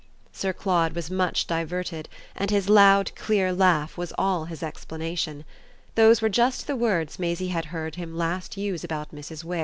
Sir Claude was much diverted, and his loud, clear laugh was all his explanation. Those were just the words Maisie had last heard him use about Mrs. Wix.